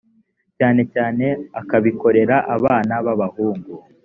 cyane cyane akabikorera abana b abahungu